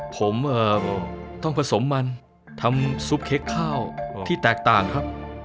ผมต้องผสมมันทำซุปเค้กข้าวที่แตกต่างครับ